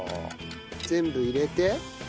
全部入れて。